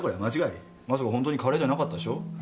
まさかホントにカレーじゃなかったでしょ？